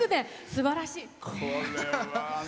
すばらしい！